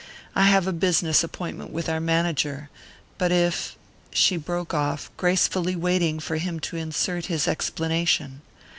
I have a business appointment with our manager, but if " She broke off, gracefully waiting for him to insert his explanation.